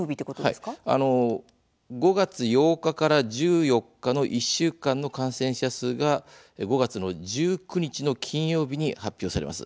５月８日から１４日の１週間の感染者数が５月１９日の金曜日に発表されます。